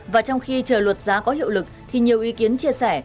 và trong khi trời luật giá có hiệu lực thì nhiều ý kiến chia sẻ